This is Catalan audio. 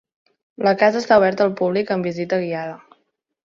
La casa està oberta al públic amb visita guiada.